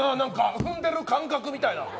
踏んでる感覚みたいな。